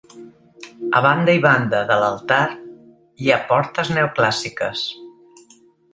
A banda i banda de l'altar hi ha portes neoclàssiques.